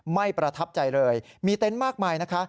ประทับใจเลยมีเต็นต์มากมายนะคะ